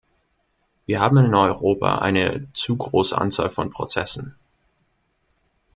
Wir haben in Europa eine zu große Anzahl von Prozessen.